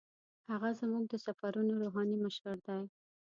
هغه زموږ د سفرونو روحاني مشر دی.